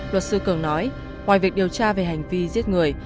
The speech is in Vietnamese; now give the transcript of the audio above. luật sư cường nói ngoài việc điều tra về hành vi giết người